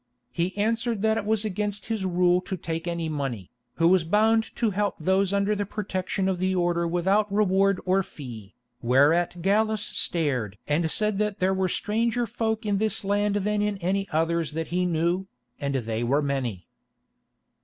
He answered that it was against his rule to take any money, who was bound to help those under the protection of the order without reward or fee, whereat Gallus stared and said that there were stranger folk in this land than in any others that he knew, and they were many.